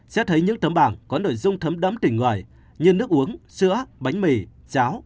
sẽ thấy những thấm bảng có nội dung thấm đấm tình người như nước uống sữa bánh mì cháo